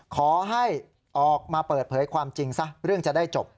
ขอให้ออกมาเปิดเผยความจริงซะเรื่องจะได้จบ